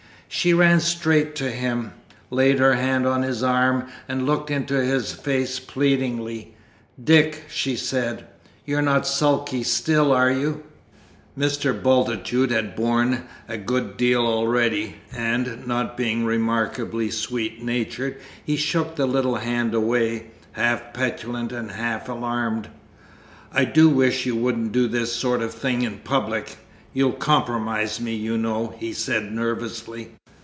She ran straight to him, laid her hand on his arm and looked into his face pleadingly. "Dick," she said, "you're not sulky still, are you?" Mr. Bultitude had borne a good deal already, and, not being remarkably sweet natured, he shook the little hand away, half petulant and half alarmed. "I do wish you wouldn't do this sort of thing in public. You'll compromise me, you know!" he said nervously.